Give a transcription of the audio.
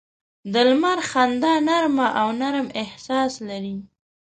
د لمر خندا نرمه او نرم احساس لري